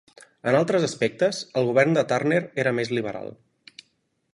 En altres aspectes, el govern de Turner era més liberal.